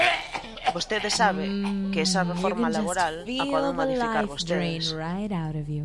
Vostede sabe que esa reforma laboral a poden modificar vostedes.